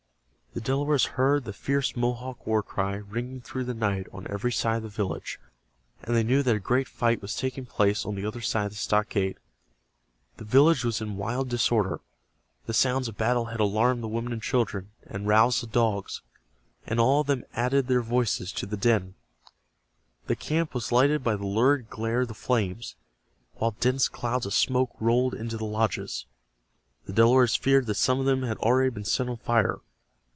The Delawares heard the fierce Mohawk war cry ringing through the night on every side of the village, and they knew that a great fight was taking place on the other side of the stockade. The village was in wild disorder. The sounds of battle had alarmed the women and children, and roused the dogs, and all of them added their voices to the din. The camp was lighted by the lurid glare of the flames, while dense clouds of smoke rolled into the lodges. The Delawares feared that some of them had already been set on fire.